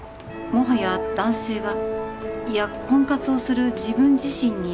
「もはや男性がいや婚活をする自分自身に」